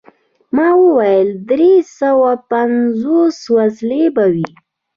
ما وویل: دری سوه پنځوس وسلې به وي.